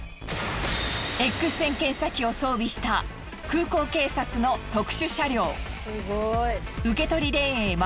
Ｘ線検査機を装備した空港警察の特殊車両。